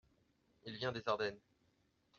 Il vient des Ardennes.